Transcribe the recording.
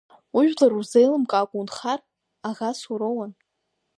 Ужәлар урзеилымкаакәа унхар аӷас уроуан.